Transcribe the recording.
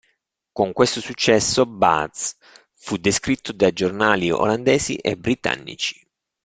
Con questo successo, Batz fu descritto da giornali olandesi e britannici.